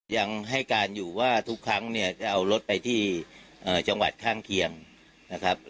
ยังให้การอยู่ว่าทุกครั้งเนี่ยจะเอารถไปที่จังหวัดข้างเคียงนะครับ